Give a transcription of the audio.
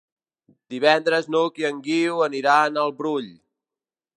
Divendres n'Hug i en Guiu aniran al Brull.